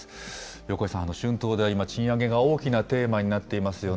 横井さん、春闘では今、賃上げが大きなテーマになっていますよね。